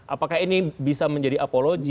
apakah ini bisa menjadi apologi